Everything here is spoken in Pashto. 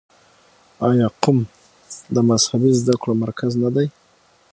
آیا قم د مذهبي زده کړو مرکز نه دی؟